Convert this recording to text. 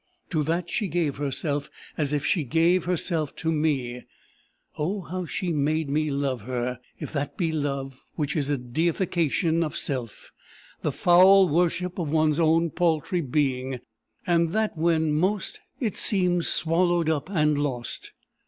To that she gave herself, as if she gave herself to me. Oh, how she made me love her! if that be love which is a deification of self, the foul worship of one's own paltry being! and that when most it seems swallowed up and lost!